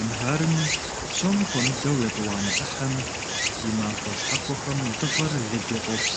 Январым, псом хуэмыдэу етӀуанэ Ӏыхьэм, и махуэ щхьэхуэхэм дыгъэр лыду къопс.